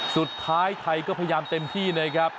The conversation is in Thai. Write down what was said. สุดท้ายไทยก็พยายามเต็มที่นะครับ